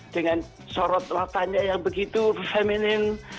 dengan sorot latarnya yang begitu feminine